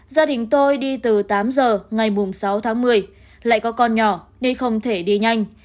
gia đình tôi đi từ tám giờ ngày sáu tháng một mươi lại có con nhỏ nên không thể đi nhanh